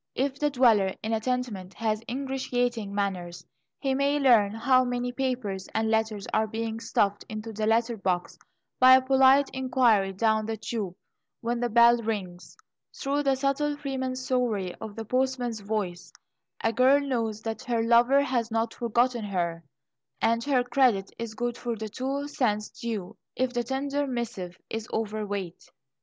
If the dweller in a tenement has ingratiating manners, he may learn how many papers, and letters are being stuffed into the letter box, by a polite inquiry down the tube when the bell rings. Through the subtle freemasonry of the postman's voice a girl knows that her lover has not forgotten her and her credit is good for the "two cents due" if the tender missive is overweight.